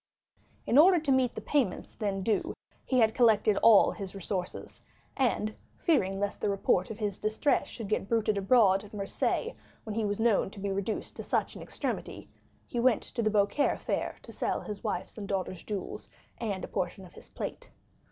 In order to meet the payments then due; he had collected all his resources, and, fearing lest the report of his distress should get bruited abroad at Marseilles when he was known to be reduced to such an extremity, he went to the Beaucaire fair to sell his wife's and daughter's jewels and a portion of his plate.